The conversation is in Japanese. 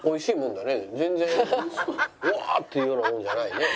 全然うわあ！っていうようなもんじゃないね。